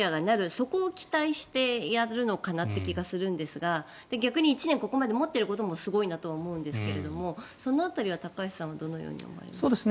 そこを期待してやるのかなという気がするんですが逆に１年、ここまで持っていることもすごいなと思うんですがその辺りは高橋さんはどのように思いますか？